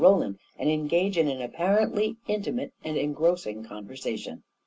Roland, and engage in an apparently intimate and engrossing conversation.